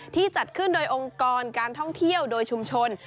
จัดขึ้นโดยองค์กรการท่องเที่ยวโดยชุมชน